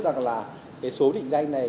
rằng là cái số định danh này